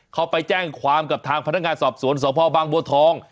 เขาไปแจ้งความกับทางพนักงานสอบสวนสพบางบัวทอง